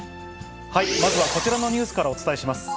まずはこちらのニュースからお伝えします。